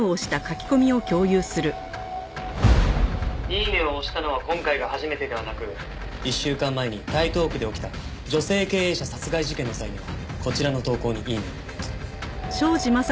イイネ！を押したのは今回が初めてではなく１週間前に台東区で起きた女性経営者殺害事件の際にはこちらの投稿にイイネ！を。